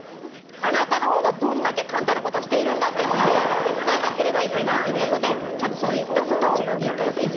あなたの方がどんだけ簡単な事をしているんだっていう事を伝えなければいけないっていう事でちゃんとそういった事を言い返すいじわるですね。